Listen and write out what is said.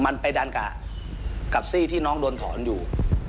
มันไปดันกับซี่ที่น้องโดนถอนอยู่